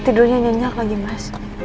tidurnya nyinyak lagi mas